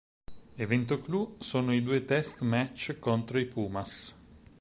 Evento clou sono i due test match contro i "Pumas".